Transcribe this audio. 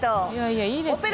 いやいやいいです。